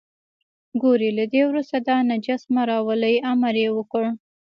ګورئ له دې وروسته دا نجس مه راولئ، امر یې وکړ.